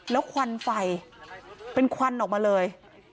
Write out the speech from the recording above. แล้วควันไฟเป็นควันออกมาเลย